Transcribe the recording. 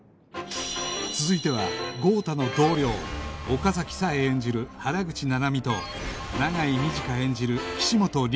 続いては豪太の同僚岡崎紗絵演じる原口奈々美と長井短演じる岸本凛